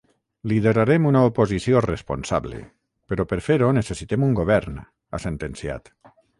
Liderarem una oposició responsable, però per fer-ho necessitem un govern, ha sentenciat.